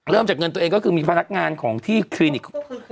จากเงินตัวเองก็คือมีพนักงานของที่คลินิก